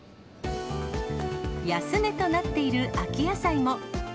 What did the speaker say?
安値となっている秋野菜も。